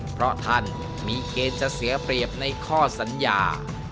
เพราะท่านมีเกณฑ์จะเสียเปรียบในข้อสัญญา